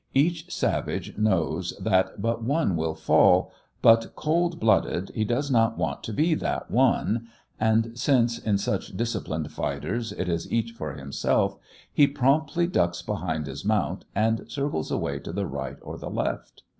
Each savage knows that but one will fall, but, cold blooded, he does not want to be that one; and, since in such disciplined fighters it is each for himself, he promptly ducks behind his mount and circles away to the right or the left.